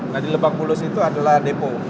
nah di lebakbulus itu adalah depo